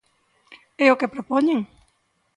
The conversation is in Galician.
¿E o que propoñen?